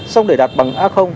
xong để đạt bằng a